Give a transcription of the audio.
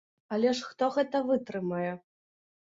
Але ж хто гэта вытрымае?